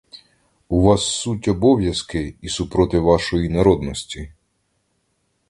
У вас суть обов'язки і супроти вашої народності!